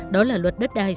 đó là luật đất đai sơn